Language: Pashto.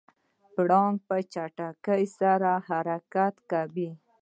پړانګ په چټکۍ سره حرکت کوي.